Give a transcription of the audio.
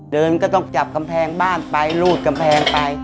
ก็ต้องจับกำแพงบ้านไปรูดกำแพงไป